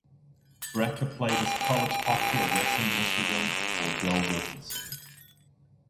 Brekke played his college hockey at Western Michigan for Bill Wilkinson.